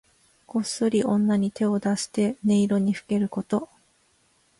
こっそり女に手を出して女色にふけること。